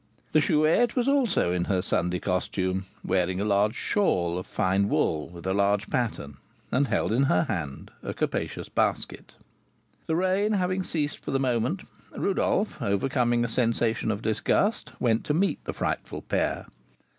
The Chouette was also in her Sunday costume, wearing a large shawl of fine wool, with a large pattern, and held in her hand a capacious basket. The rain having ceased for the moment, Rodolph, overcoming a sensation of disgust, went to meet the frightful pair.